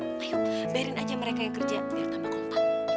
ayo bayarin aja mereka yang kerja biar tambah olah